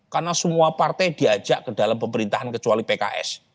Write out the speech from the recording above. karena semua partai diajak ke dalam pemerintahan kecuali pks